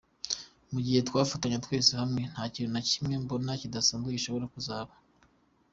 Mu gihe twafatanya twese hamwe, nta kintu na kimwe mbona kidasanzwe gishobora kuzaba.